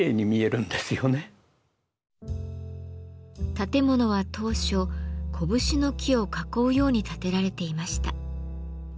建物は当初コブシの木を囲うように建てられていました。